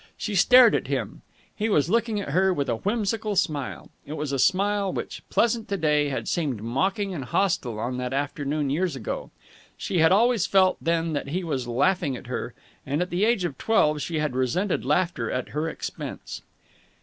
She stared at him. He was looking at her with a whimsical smile. It was a smile which, pleasant to day, had seemed mocking and hostile on that afternoon years ago. She had always felt then that he was laughing at her, and at the age of twelve she had resented laughter at her expense.